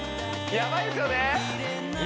やばいですよね